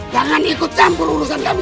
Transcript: jangan ikut campur urusan kami